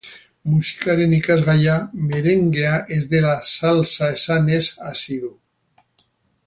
Musikaren ikasgaia, merengea ez dela salsa esanez hasi du.